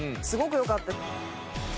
すごく良かった。